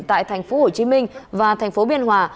tại tp hồ chí minh và tp biên hòa